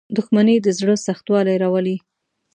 • دښمني د زړه سختوالی راولي.